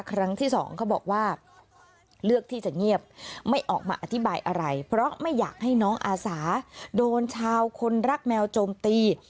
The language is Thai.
ครั้งที่สองเขาบอกว่าเลือกที่จะเงียบไม่ออกมาอธิบายอะไรเพราะไม่อยากให้น้องอาสาโดนชาวคนรักแมวโจมตี